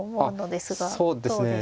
そうですね。